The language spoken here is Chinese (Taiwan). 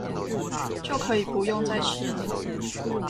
就可以不用再吃了